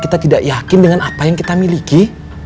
kita tidak yakin dengan apa yang kita miliki